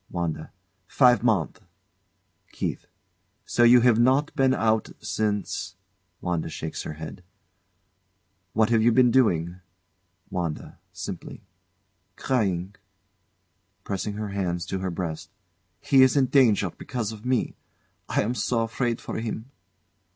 WANDA. Five month. KEITH. So you have not been out since ? [WANDA shakes her head.] What have you been doing? WANDA. [Simply] Crying. [Pressing her hands to her breast] He is in danger because of me. I am so afraid for him.